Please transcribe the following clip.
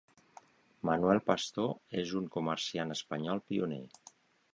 Manuel Pastor és un comerciant espanyol pioner.